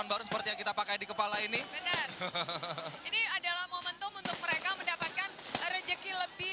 baru seperti yang kita pakai di kepala ini benar ini adalah momentum untuk mereka mendapatkan rezeki lebih